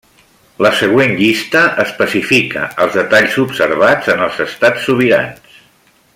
La següent llista especifica els detalls observats en els Estats sobirans.